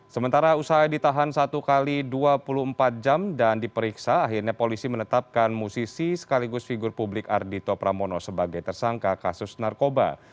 sementara usai ditahan satu x dua puluh empat jam dan diperiksa akhirnya polisi menetapkan musisi sekaligus figur publik ardhito pramono sebagai tersangka kasus narkoba